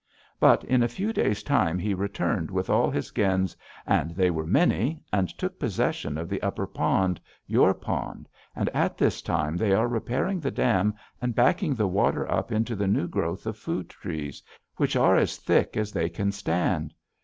But in a few days' time he returned with all his gens, and they are many, and took possession of the upper pond, your pond, and at this time they are repairing the dam and backing the water up into the new growth of food trees, which are as thick as they can stand.